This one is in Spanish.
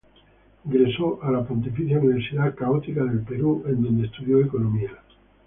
Ingresó a la Pontificia Universidad Católica del Perú, en donde estudió Economía.